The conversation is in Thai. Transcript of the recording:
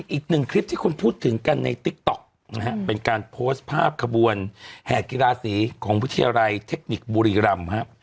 อีกหนึ่งคลิปที่คุณพูดถึงกันในติ๊กต๊อกนะฮะเป็นการโพสต์ภาพขบวนแห่กีฬาสีของวิทยาลัยเทคนิคบุรีรำครับ